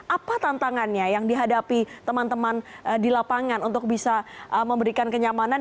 apa tantangannya yang dihadapi teman teman di lapangan untuk bisa memberikan kenyamanan